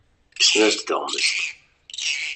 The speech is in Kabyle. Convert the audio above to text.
Kksen-as-d tuɣmest.